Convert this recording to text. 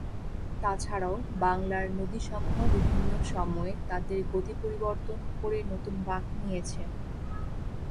তাছাড়াও বাংলার নদীসমূহ বিভিন্ন সময়ে তাদের গতি পরিবর্তন করে নতুন বাঁক নিয়েছে।